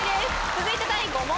続いて第７問。